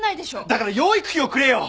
だから養育費をくれよ！